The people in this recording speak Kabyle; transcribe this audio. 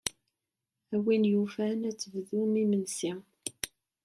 A win yufan ad tebdum imensi.